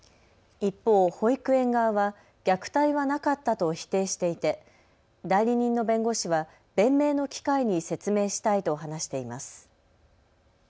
一方、保育園側は虐待はなかったと否定していて代理人の弁護士は弁明の機会に説明したいと話しています。